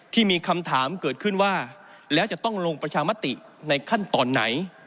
ที่มีคำถามเกิดขึ้นว่าแล้วจะต้องลงประชามติในขั้นตอนไหน